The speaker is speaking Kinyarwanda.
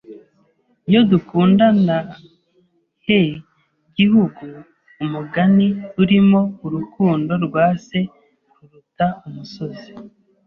Iyo dukundanahe gihugu umugani urimo Urukundo rwa se ruruta umusozi